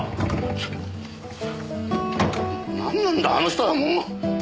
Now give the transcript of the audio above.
なんなんだあの人はもう。